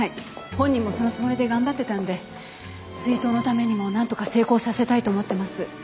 本人もそのつもりで頑張ってたんで追悼のためにもなんとか成功させたいと思ってます。